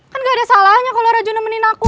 kan gak ada salahnya kalau raju nemenin aku